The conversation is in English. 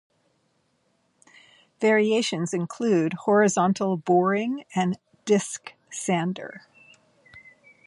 Variations include horizontal boring and disc sander.